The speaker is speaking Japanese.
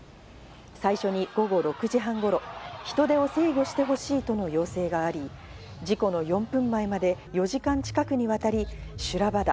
最初に午後６時半頃、人出を制御してほしいとの要請があり、事故の４分前まで４時間近くにわたり修羅場だ。